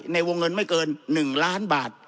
ในวงเงินไม่เกิน๑ล้านบาท